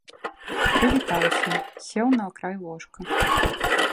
Прывітаўся, сеў на край ложка.